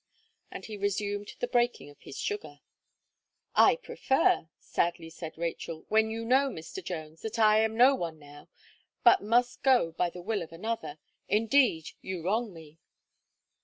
And he resumed the breaking of his sugar. "I prefer!" sadly said Rachel, "when you know, Mr. Jones, that I am no one now, but must go by the will of another indeed, you wrong me!"